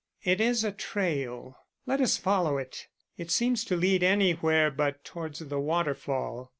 "It is a trail. Let us follow it. It seems to lead anywhere but towards the waterfall.